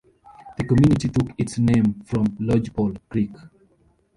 The community took its name from Lodgepole Creek.